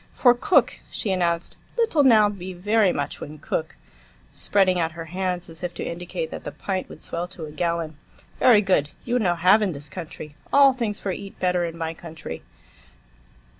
"For cook," she announced. "Little now; be very much when cook," spreading out her hands as if to indicate that the pint would swell to a gallon. "Very good. You no have in this country. All things for eat better in my country."